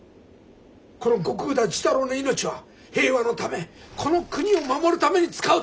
この後工田寿太郎の命は平和のためこの国を守るために使うと。